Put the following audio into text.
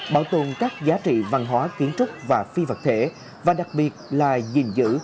bảo tồn các giá trị văn hóa kiến trúc và phi vật thể và đặc biệt là gìn giữ